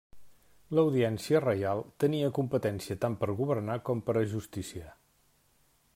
L'Audiència Reial tenia competència tant per governar com per ajusticiar.